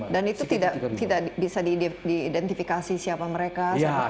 dan itu tidak bisa diidentifikasi siapa mereka